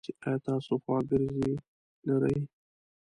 ایا تاسو خواګرځی لری؟